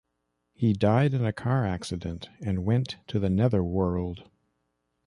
He died in a car accident and went to the netherworld.